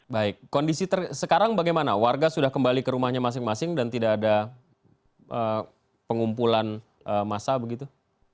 baik kondisi sekarang bagaimana warga sudah kembali ke rumahnya masing masing dan tidak ada pengumpulan massa begitu